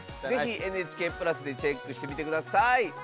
ぜひ「ＮＨＫプラス」でチェックしてみてください。